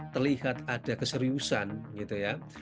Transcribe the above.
terlihat ada keseriusan gitu ya